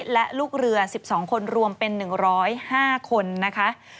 และลูกเรือ๑๒คนรวมเป็น๑๐๕คนนะคะ